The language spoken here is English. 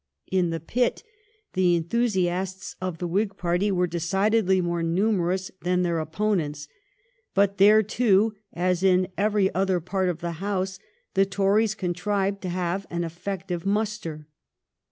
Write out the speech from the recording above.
In the pit the enthusiasts of the Whig party were decidedly more numerous than their opponents ; but there, too, as in every other part of the house, the Tories contrived to have an effective muster.